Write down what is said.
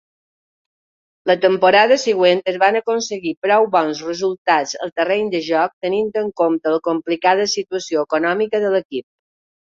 La temporada següent es van aconseguir prou bons resultats al terreny de joc, tenint en compte la complicada situació econòmica de l'equip.